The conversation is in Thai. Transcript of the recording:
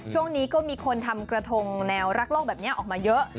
ช่วงนี้ก็มีคนทำกระทงแนวรักโลกแบบนี้ออกมาเยอะ